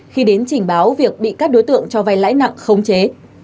khi đến trình báo việc bị các đối tượng cho vay lãi nặng khống chế